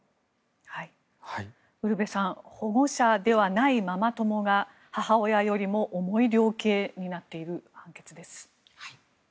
ウルヴェさん保護者ではないママ友が母親よりも重い量刑になっている判決です。